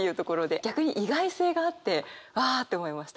逆に意外性があってわあって思いました。